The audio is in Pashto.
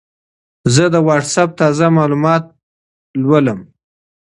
زه د وټساپ تازه معلومات ولولم.